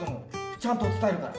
ちゃんと伝えるから。